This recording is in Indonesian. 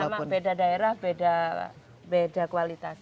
sama beda daerah beda kualitas